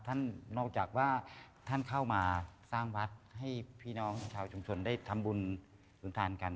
นอกจากว่าท่านเข้ามาสร้างวัดให้พี่น้องชาวชุมชนได้ทำบุญสุนทานกัน